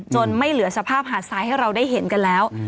ไม่เหลือสภาพหาดทรายให้เราได้เห็นกันแล้ว